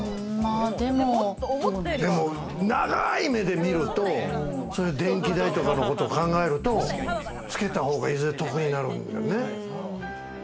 長い目で見ると電気代とかのことを考えるとつけた方が、いずれ得になるんよね。